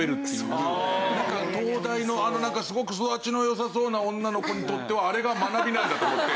なんか東大のあのすごく育ちの良さそうな女の子にとってはあれが学びなんだと思って。